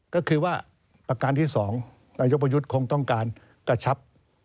ก็คือว่าประการที่๒นายกประยุทธ์คงต้องการกระชับ